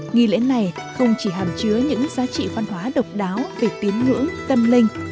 nghi lễ này không chỉ hàm chứa những giá trị văn hóa độc đáo về tiếng ngữ tâm linh